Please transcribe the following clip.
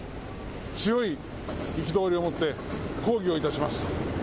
強い憤りを持って抗議をいたします。